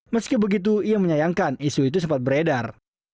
meski begitu ia menyayangkan isu itu sempat beredar